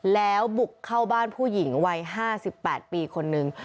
แล้วบุกเข้าบ้านผู้หญิงวัย๕๘ปีคนนึง